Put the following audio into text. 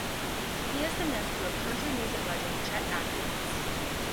He is the nephew of country music legend Chet Atkins.